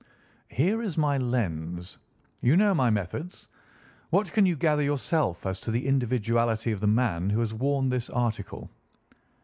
"Here is my lens. You know my methods. What can you gather yourself as to the individuality of the man who has worn this article?"